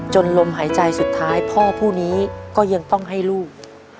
ลมหายใจสุดท้ายพ่อผู้นี้ก็ยังต้องให้ลูก